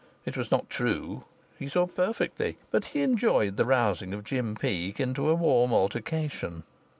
It was not true; he saw perfectly; but he enjoyed the rousing of Jim Peake into a warm altercation.